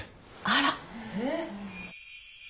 あら。